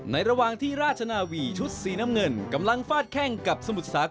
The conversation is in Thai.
ระหว่างที่ราชนาวีชุดสีน้ำเงินกำลังฟาดแข้งกับสมุทรสาค